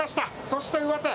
そして、上手。